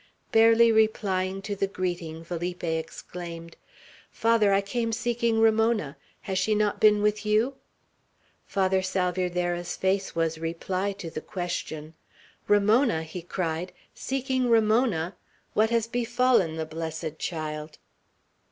Barely replying to the greeting, Felipe exclaimed: "Father, I come seeking Ramona. Has she not been with you?" Father Salvierderra's face was reply to the question. "Ramona!" he cried. "Seeking Ramona! What has befallen the blessed child?"